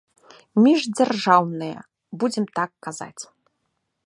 Міждзяржаўныя, будзем так казаць.